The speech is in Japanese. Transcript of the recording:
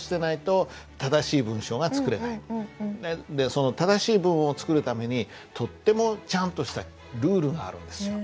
その正しい文を作るためにとってもちゃんとしたルールがあるんですよ。